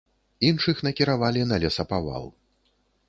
Іншых накіравалі на лесапавал.